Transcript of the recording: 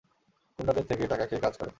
গুন্ডাদের থেকে টাকা খেয়ে কাজ করে।